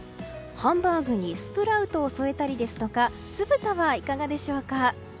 ハンバーグにスプラウトを添えたりですとか酢豚はいかがでしょうか。